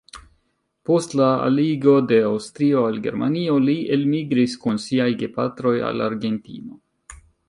Post la aligo de Aŭstrio al Germanio li elmigris kun siaj gepatroj al Argentino.